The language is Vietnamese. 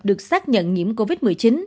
được xác nhận nhiễm covid một mươi chín